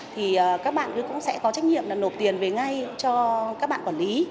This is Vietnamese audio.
thì các bạn cũng sẽ có trách nhiệm là nộp tiền về ngay cho các bạn quản lý